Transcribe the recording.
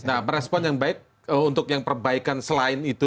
nah merespon yang baik untuk yang perbaikan selain itu